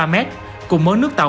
sáu mươi một ba m cùng mớ nước tàu